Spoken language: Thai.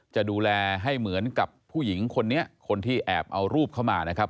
จะดูแลให้เหมือนกับผู้หญิงคนนี้คนที่แอบเอารูปเข้ามานะครับ